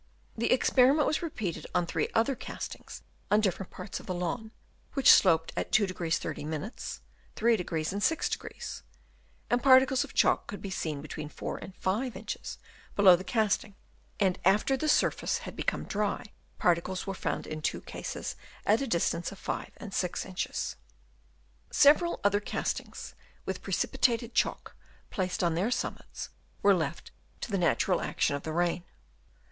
The experiment was re peated on three other castings on different parts of the lawn, which sloped at 2° 30', 3° and 6° ; and particles of chalk could be seen between 4 and 5 inches below the cast ing ; and after the surface had become dry, particles were found in two cases at a distance of 5 and 6 inches. Several other castings with precipitated chalk placed on their summits were left to the natural action of the rain.